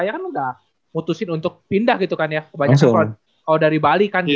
iya saya kan udah mutusin untuk pindah gitu kan ya kebanyakan orang oh dari bali kan gitu kan